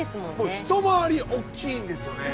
ひと回りおっきいんですよね。